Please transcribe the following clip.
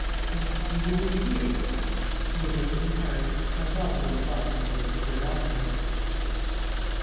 "And were you living here?" "We were living in Paris. My father only bought this place the year after."